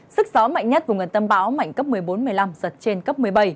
sức gió mạnh nhất vùng gần tâm báo mạnh cấp một mươi bốn một mươi năm giật trên cấp một mươi bảy